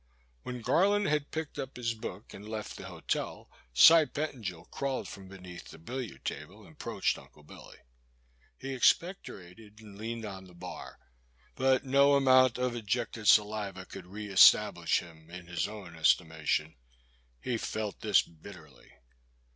When Garland had picked up his book and left the hotel, Cy Pettingil crawled from beneath the billiard table and approached Uncle Billy. He expectorated and leaned on the bar, but no amount of ejected saliva could re establish him in his own estimation — he felt this bitterly.